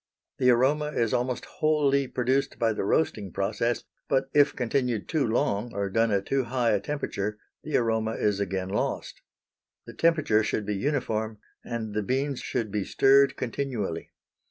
The aroma is almost wholly produced by the roasting process, but if continued too long or done at too high a temperature the aroma is again lost. The temperature should be uniform and the beans should be stirred continually.